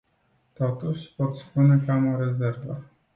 Totuși, pot spune că am o rezervă.